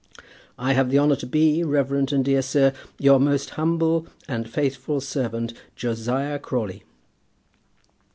I have the honour to be, reverend and dear sir, Your most humble and faithful servant, JOSIAH CRAWLEY.